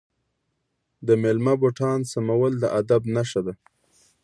د میلمه بوټان سمول د ادب نښه ده.